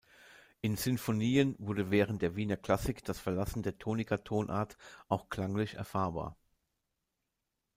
In Sinfonien wurde während der Wiener Klassik das Verlassen der Tonika-Tonart auch klanglich erfahrbar.